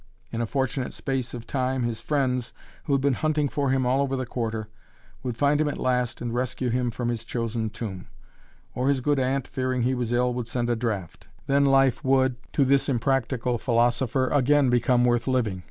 In a fortunate space of time his friends, who had been hunting for him all over the Quarter, would find him at last and rescue him from his chosen tomb; or his good aunt, fearing he was ill, would send a draft! Then life would, to this impractical philosopher, again become worth living.